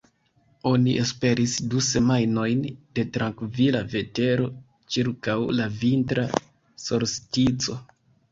Oni esperis du semajnojn de trankvila vetero ĉirkaŭ la vintra solstico.